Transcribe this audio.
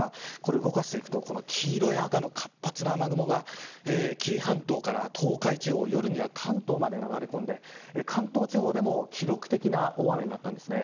動かしていくと黄色や赤の活発な雨雲が紀伊半島から東海地方夜には関東まで流れ込んで関東地方でも記録的な大雨になりました。